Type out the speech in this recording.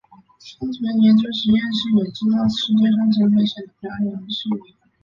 生存研究实验室以制造世界上最危险的表演而知名。